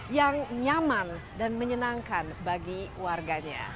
yang nyaman dan menyenangkan bagi warganya